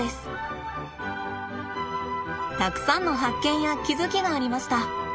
たくさんの発見や気付きがありました。